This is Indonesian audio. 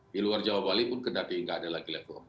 di luar jawa bali pun kendati nggak ada lagi level